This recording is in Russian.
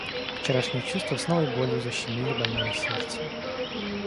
Вчерашние чувства с новой болью защемили больное сердце.